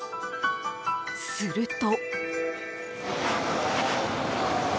すると。